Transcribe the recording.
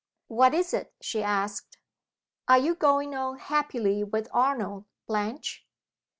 "What is it?" she asked. "Are you going on happily with Arnold, Blanche?"